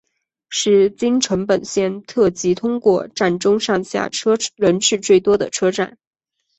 是京成本线特急通过站中上下车人次最多的车站。